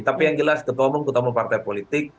tapi yang jelas ketemu ketemu partai politik